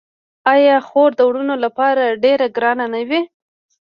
آیا خور د وروڼو لپاره ډیره ګرانه نه وي؟